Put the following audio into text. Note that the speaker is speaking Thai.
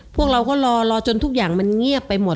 พวกเราก็รอรอจนทุกอย่างมันเงียบไปหมด